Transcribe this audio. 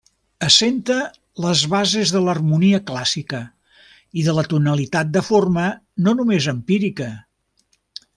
Assenta les bases de l'harmonia clàssica i de la tonalitat de forma no només empírica.